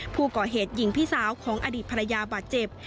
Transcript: ผู้ก่อเหตุยิงพี่สาวของอดีตภรรยาบาดเจ็บ